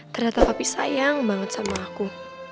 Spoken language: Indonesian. ternyata tapi sayang banget sama aku